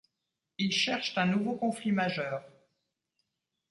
Ils cherchent un nouveau conflit majeur.